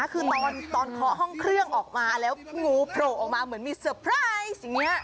คือตอนเคาะห้องเครื่องออกมาแล้วงูโผล่ออกมาเหมือนมีเซอร์ไพรส์อย่างนี้